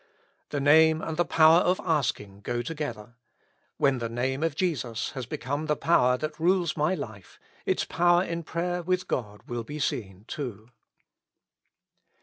The name and the power of asking go together ; when the Name of Jesus has become the power that rules my life, its power in prayer with God will be seen, too.